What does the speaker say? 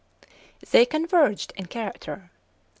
they converged in character.